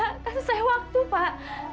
kasih saya waktu pak